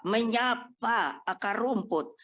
menyapa akar rumput